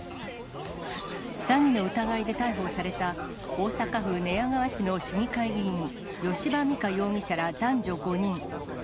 詐欺の疑いで逮捕された大阪府寝屋川市の市議会議員、吉羽美華容疑者ら男女５人。